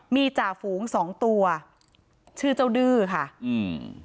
มีจ่าฝูงสองตัวชื่อเจ้าดื้อค่ะอืม